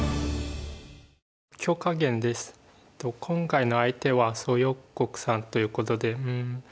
今回の相手は蘇耀国さんということで。